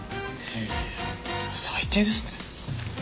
え最低ですね。